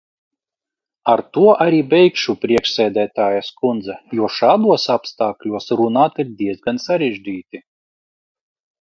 Ar to arī beigšu, priekšsēdētājas kundze, jo šādos apstākļos runāt ir diezgan sarežģīti.